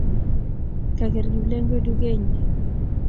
Kager kiplengwet dukenyi